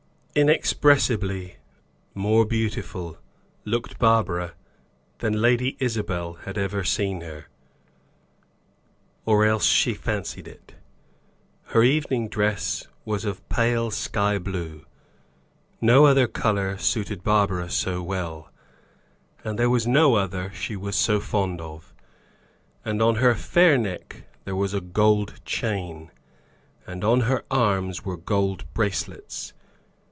Inexpressibly more beautiful, looked Barbara than Lady Isabel had ever seen her or else she fancied it. Her evening dress was of pale sky blue no other color suited Barbara so well, and there was no other she was so fond of and on her fair neck there was a gold chain, and on her arms were gold bracelets.